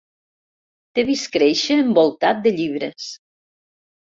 T'he vist créixer envoltat de llibres.